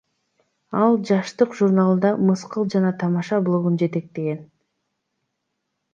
Ал Жаштык журналында мыскыл жана тамаша блогун жетектеген.